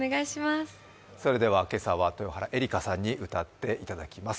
それでは今朝は豊原江理佳さんに歌っていただきます。